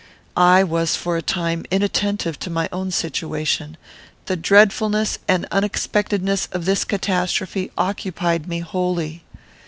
I was for a time inattentive to my own situation. The dreadfulness and unexpectedness of this catastrophe occupied me wholly.